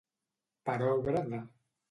Per obra de.